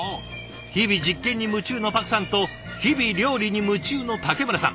日々実験に夢中のパクさんと日々料理に夢中の竹村さん。